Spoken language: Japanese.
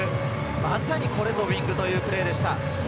まさにこれぞウイングというプレーでした。